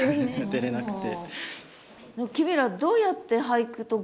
出れなくて。